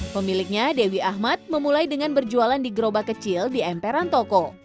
pemiliknya dewi ahmad memulai dengan berjualan di gerobak kecil di emperan toko